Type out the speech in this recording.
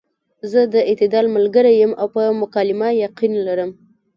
زۀ د اعتدال ملګرے يم او پۀ مکالمه يقين لرم -